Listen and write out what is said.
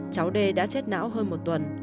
cháu đề đã chết não hơn một tuần